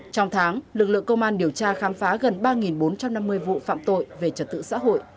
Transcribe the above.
trong tháng lực lượng công an điều tra khám phá gần ba bốn trăm năm mươi vụ phạm tội về trật tự xã hội